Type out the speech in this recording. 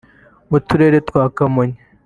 mu turere twa Kamonyi